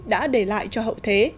đã để lại cho hậu thế